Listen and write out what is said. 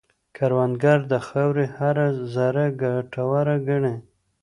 کروندګر د خاورې هره ذره ګټوره ګڼي